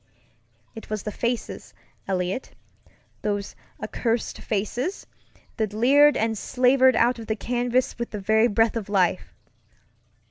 It was the faces, Eliot, those accursed faces, that leered and slavered out of the canvas with the very breath of life!